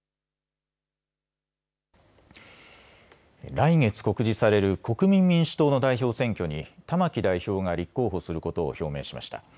来月告示される国民民主党の代表選挙に玉木代表が立候補することを表明しました。